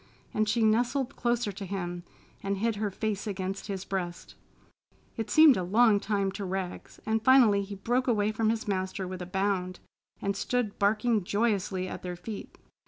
and she nestled closer to him and hid her face against his breast. It seemed a long time to Rags, and finally he broke away from his master with a bound and stood barking joyously at their feet.